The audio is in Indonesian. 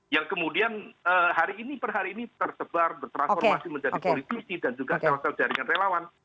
yang kemudian hari ini per hari ini tersebar bertransformasi menjadi politisi dan juga sel sel jaringan relawan